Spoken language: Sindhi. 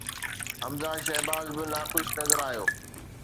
حمزه شهباز به ناخوش نظر آيو.